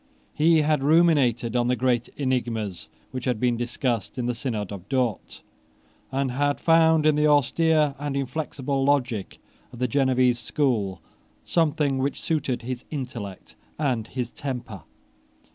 He had ruminated on the great enigmas which had been discussed in the Synod of Dort, and had found in the austere and inflexible logic of the Genevese school something which suited his intellect and his temper.